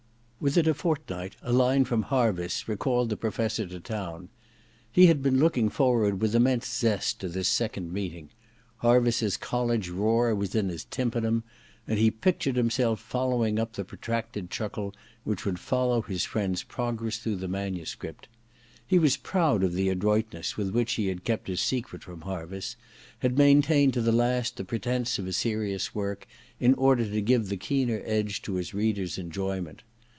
Withm a fortnight, a line from Harviss recalled the Professor to town. He had been looking forward with immense zest to this second meeting ; Harviss's college roar was in his tympanum, and he could already hear the protracted chuckle which would follow his friend's progress through the manuscript. He was proud of the adroitness with which he had kept his secret from Harviss, had maintained to the last the pretence of a serious work, in order to give the keener edge to his reader's enjoyment.